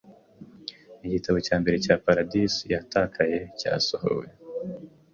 Igitabo cya mbere cya Paradise Yatakaye cyasohowe